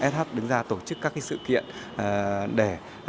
s hub đứng ra tổ chức các sự kiện để